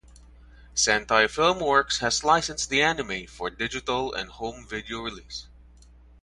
Sentai Filmworks has licensed the anime for digital and home video release.